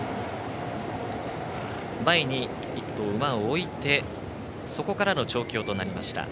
前に１頭馬を置いてそこからの調教となりました。